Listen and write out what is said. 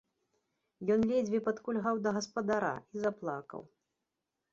Ён ледзьве падкульгаў да гаспадара і заплакаў.